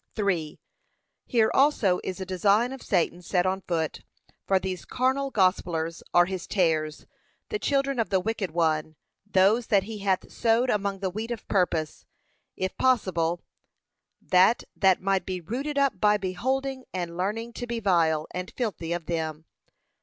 3. Here also is a design of Satan set on foot; for these carnal gospellers are his tares, the children of the wicked one; those that he hath sowed among the wheat of purpose, if possible, that that might be rooted up by beholding and learning to be vile and filthy of them.